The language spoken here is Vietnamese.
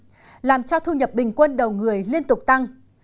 trên sáu làm cho thu nhập bình quân đầu người liên tục tăng